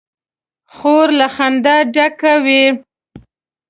خور له خندا ډکه وي.